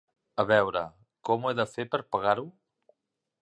A veure, com ho he de fer per pagar-ho?